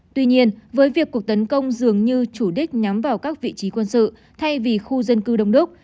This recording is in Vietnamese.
tuy nhiên với việc cuộc tấn công dường như chủ đích nhắm vào các vị trí quân sự thay vì khu dân cư đông đúc